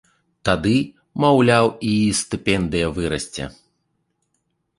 Тады, маўляў, і стыпендыя вырасце.